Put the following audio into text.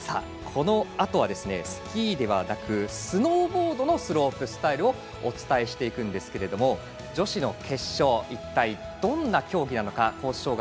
このあとはスキーではなくスノーボードのスロープスタイルをお伝えしていくんですが女子の決勝一体どんな競技なのかコース